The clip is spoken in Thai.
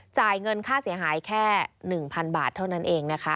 จ่ายเงินค่าเสียหายแค่๑๐๐๐บาทเท่านั้นเองนะคะ